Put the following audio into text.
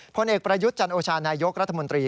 ผลเอกประยุทธ์จันโอชานายกรัฐมนตรี